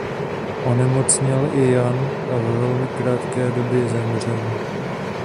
Onemocněl i Jan a ve velmi krátké době zemřel.